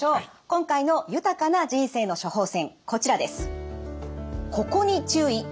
今回の豊かな人生の処方せんこちらです。